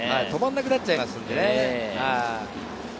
止まんなくなっちゃいますね。